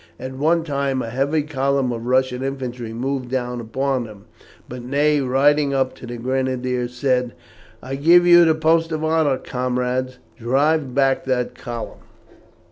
At one time a heavy column of Russian infantry moved down upon them, but Ney, riding up to the grenadiers, said: "I give you the post of honour, comrades. Drive back that column."